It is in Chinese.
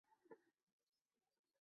早年由举人捐内阁中书。